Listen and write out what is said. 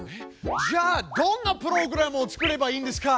じゃあどんなプログラムを作ればいいんですか？